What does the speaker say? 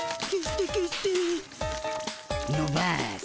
のばす。